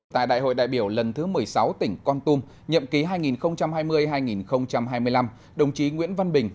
tại đại hội đại biểu lần thứ một mươi sáu tỉnh con tum nhậm ký hai nghìn hai mươi hai nghìn hai mươi năm đồng chí nguyễn văn bình